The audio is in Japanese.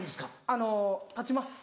あの立ちます。